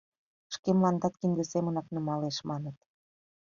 Шке мландат кинде семынак нумалеш, маныт.